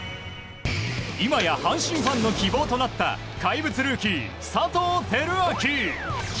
いまや阪神ファンの希望となった怪物ルーキー佐藤輝明。